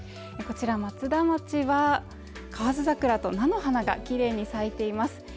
こちら松田町は河津桜と菜の花が綺麗に咲いています